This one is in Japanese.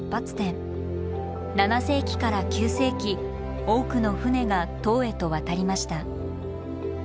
７世紀から９世紀多くの船が唐へと渡りました。